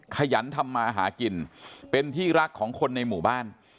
ขยันทำมาหากินเป็นที่รักของคนในหมู่บ้าน